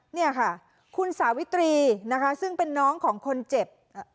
เนี่ยค่ะคุณสาวิตรีนะคะซึ่งเป็นน้องของคนเจ็บ